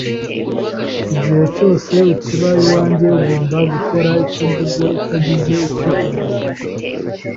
Igihe cyose ukiba iwanjye ugomba gukora icyo mvuze utagize icyo ubaza.